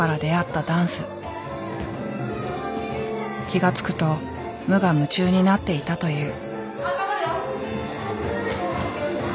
気が付くと無我夢中になっていたという。